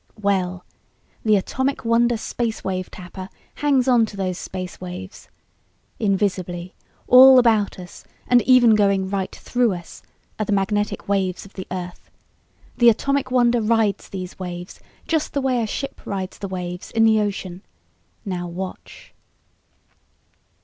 Well ... the Atomic Wonder Space Wave Tapper hangs onto those space waves. Invisibly all about us, and even going right through us, are the magnetic waves of the earth. The Atomic Wonder rides these waves just the way a ship rides the waves in the ocean. Now watch...."